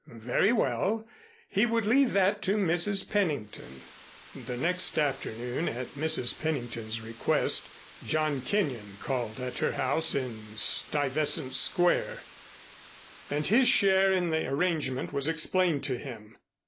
Very well. He would leave that to Mrs. Pennington. The next afternoon, at Mrs. Pennington's request, John Kenyon called at her house in Stuyvesant Square, and his share in the arrangement was explained to him.